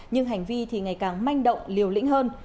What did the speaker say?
nhưng hành vi thì ngày càng manh động liều lĩnh hơn